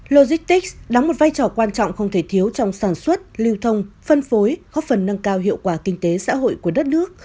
logistics đóng một vai trò quan trọng không thể thiếu trong sản xuất lưu thông phân phối góp phần nâng cao hiệu quả kinh tế xã hội của đất nước